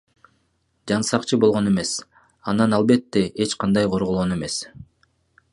Жансакчы болгон эмес, анан албетте эч кандай корголгон эмес.